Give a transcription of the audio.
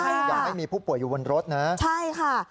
ใช่ค่ะอย่างให้มีผู้ป่วยอยู่บนรถนะครับใช่ค่ะ